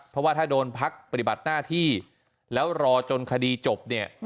เพราะว่าถ้าโดนพักปฏิบัติหน้าที่แล้วรอจนคดีจบเนี่ย